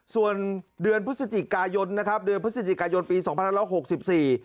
ส่วนเดือนพฤศจิกายนนะครับเดือนพฤศจิกายนปีสองพันร้อยหกสิบสี่